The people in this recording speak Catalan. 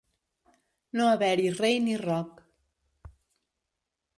No haver-hi rei ni roc.